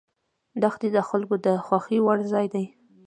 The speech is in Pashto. دښتې د خلکو د خوښې وړ ځای دی.